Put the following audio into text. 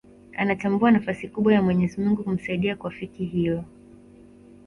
Anatambua nafasi kubwa ya mwenyezi Mungu kumsaidia kuafikia hilo